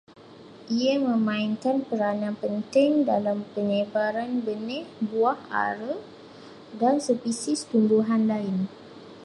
Ia memainkan peranan penting dalam penyebaran benih buah ara dan spesies tumbuhan lain